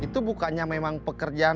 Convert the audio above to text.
itu bukannya memang pekerjaan